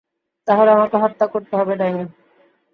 তাহলে আমাকে হত্যা করতে হবে, ডাইনী।